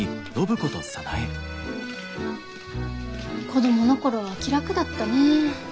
子供の頃は気楽だったねぇ。